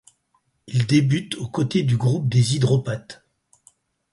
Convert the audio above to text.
Il débute aux côtés du groupe des Hydropathes.